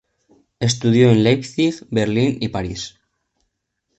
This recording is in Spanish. Estudió en Leipzig, Berlín y París.